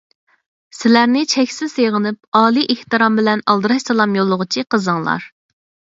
سىلەرنى چەكسىز سېغىنىپ، ئالىي ئېھتىرام بىلەن ئالدىراش سالام يوللىغۇچى: قىزىڭلار.